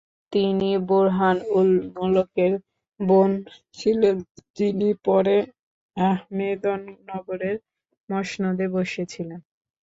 তিনি বুরহান-উল-মুলকের বোন ছিলেন, যিনি পরে আহমেদনগরের মসনদে বসেছিলেন।